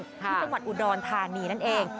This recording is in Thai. ที่ต้องก่อนอุดรภานีนั่นเอง